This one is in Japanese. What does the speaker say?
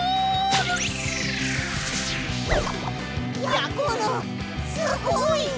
やころすごい！